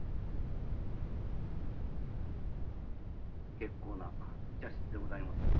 結構なお茶室でございまするな。